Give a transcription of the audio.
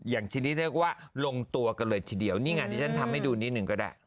ชิ้นนี้เรียกว่าลงตัวกันเลยทีเดียวนี่ไงที่ฉันทำให้ดูนิดหนึ่งก็ได้